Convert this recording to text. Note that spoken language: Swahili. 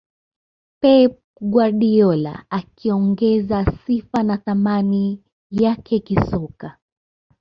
pep guardiola akaongeza sifa na thamani yake kisoka